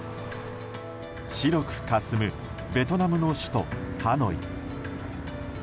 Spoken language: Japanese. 白くかすむベトナムの首都ハノイ。